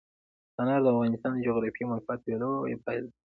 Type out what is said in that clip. انار د افغانستان د جغرافیایي موقیعت یوه لویه پایله ده.